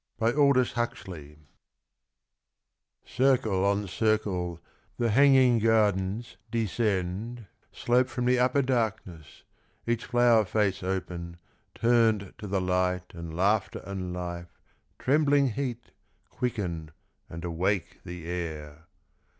/'^IRCLE on circle the hanging gardens descend, ^^ Slope from the upper darkness, each flower face Open, turned to the light and laughter and life Trembling heat, quicken and awake the air.